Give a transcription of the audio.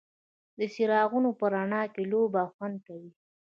د څراغونو په رڼا کې لوبه خوند کوي.